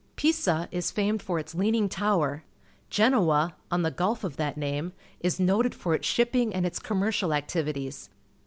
EiscLis famed for its Leaning Tower. GerwOj on the gulf of that name, is noted for its shipping and its commercial activities.